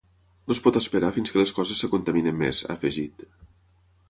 No es pot esperar fins que les coses es contaminin més, ha afegit.